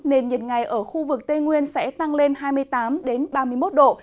nền nhiệt ngày ở khu vực tây nguyên sẽ tăng lên hai mươi tám ba mươi một độ